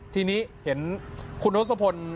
ทีนี้เห็นคุณทศพล